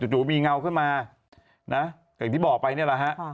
จู่มีเงาขึ้นมานะอย่างที่บอกไปเนี่ยแหละฮะ